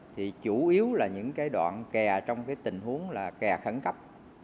thì chủ yếu là những đoạn kè trong tình huống là kè khẩn cấp